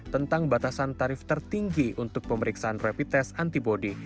tentang batasan tarif tertinggi untuk pemeriksaan rapid test antibody